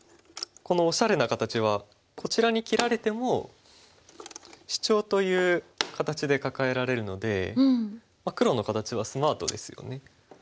このおしゃれな形はこちらに切られてもシチョウという形でカカえられるので黒の形はスマートですよね。